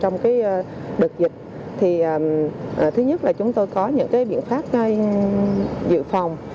trong đợt dịch thì thứ nhất là chúng tôi có những biện pháp dự phòng